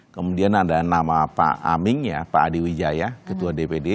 kemudian ada nama pak aming ya pak adi wijaya ketua dpd